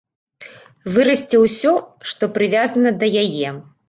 Вырасце ўсё, што прывязана да яе.